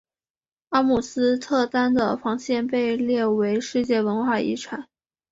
阿姆斯特丹的防线被列为世界文化遗产。